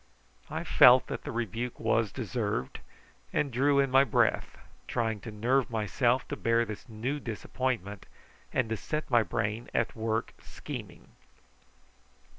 I felt that the rebuke was deserved, and drew in my breath, trying to nerve myself to bear this new disappointment, and to set my brain at work scheming.